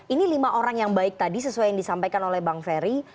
ini lima orang yang baik tadi sesuai yang disampaikan oleh bang ferry